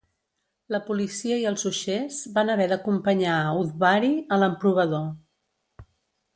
La policia i els uixers van haver d'acompanyar Udvari a l'emprovador.